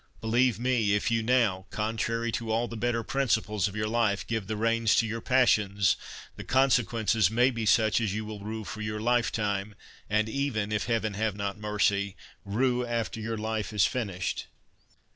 Believe me, if you now, contrary to all the better principles of your life, give the reins to your passions, the consequences may be such as you will rue for your lifetime, and even, if Heaven have not mercy, rue after your life is finished."